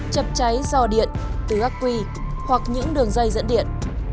chập cháy dò điện từ gác quỳ hoặc những đường dây dẫn điện